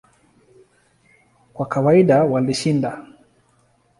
Kwa kawaida walishinda.